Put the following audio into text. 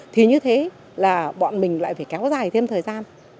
thì như thế là bọn mình lại phải kéo dài thêm thời gian